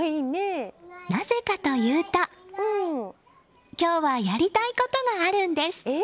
なぜかというと今日はやりたいことがあるんです。